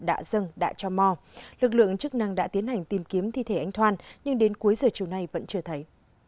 đã dâng đã cho mò lực lượng chức năng đã tiến hành tìm kiếm thi thể anh thoan nhưng đến cuối giờ chiều nay vẫn chưa thấy